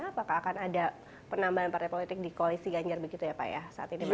apakah akan ada penambahan partai politik di koalisi ganjar begitu ya pak ya saat ini